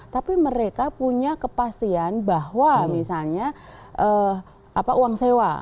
tapi mereka punya kepastian bahwa misalnya uang sewa